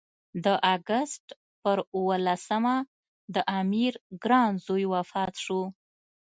د اګست پر اووه لسمه د امیر ګران زوی وفات شو.